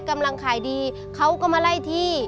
กำลังขายดีเขาก็มาไล่ที่